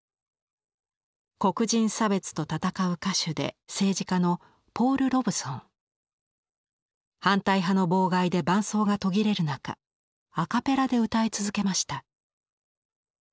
黒人差別と闘う歌手で政治家の反対派の妨害で伴奏が途切れる中アカペラで歌い続けました。